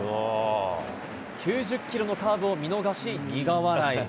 ９０キロのカーブを見逃し、苦笑い。